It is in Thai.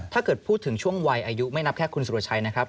ถ้าเกิดพูดถึงช่วงวัยอายุไม่นับแค่คุณสุรชัยนะครับ